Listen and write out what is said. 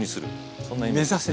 そんなイメージですね。